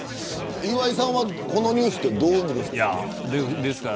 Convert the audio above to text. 岩井さんは、このニュースをどうみていますか。